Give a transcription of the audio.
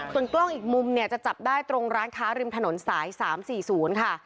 ส่วนกล้องอีกมุมเนี่ยจะจับได้ตรงร้านค้าริมถนนสาย๓๔๐ค่ะ